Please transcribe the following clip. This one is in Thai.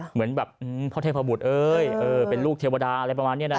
เหมือนแบบพ่อเทพบุตรเอ้ยเป็นลูกเทวดาอะไรประมาณนี้นะ